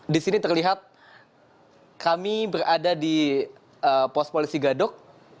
di sini terlihat kami berada di pos polisi gadok